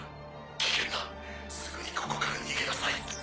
危険だすぐにここから逃げなさい。